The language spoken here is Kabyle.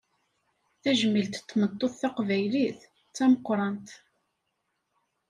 Tajmilt n tmeṭṭut taqbaylit, d tameqqrant.